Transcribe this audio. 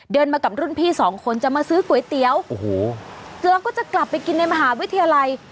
มากับรุ่นพี่สองคนจะมาซื้อก๋วยเตี๋ยวโอ้โหแล้วก็จะกลับไปกินในมหาวิทยาลัย